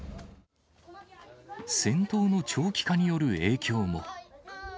戦闘の長期化による影響も。